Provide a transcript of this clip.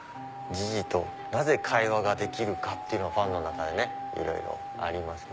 ジジとなぜ会話ができるかっていうのがファンの中でいろいろあります。